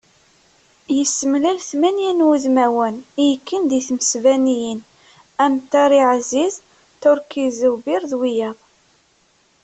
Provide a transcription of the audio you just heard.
Yessemlal tmanya n wudmawen i yekkin di tmesbaniyin am Tari Aziz, Terki Zubir d wiyaḍ.